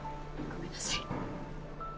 ごめんなさい。